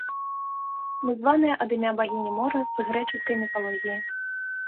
Названая ад імя багіні мора з грэчаскай міфалогіі.